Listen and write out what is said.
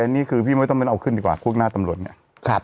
อันนี้คือพี่ไม่ต้องอก็เอาขึ้นดีกว่าพวกหน้าตำรถเนี่ยครับ